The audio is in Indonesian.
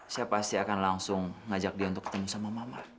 saya pasti akan langsung ngajak dia untuk ketemu sama mama